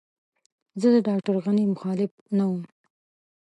زه د ډاکټر غني مخالف نه وم.